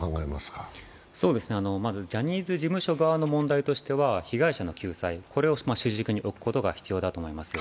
まず、ジャニーズ事務所側の問題としては被害者の救済、これを主軸に置くことが必要だと思いますよ。